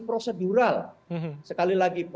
prosedural sekali lagi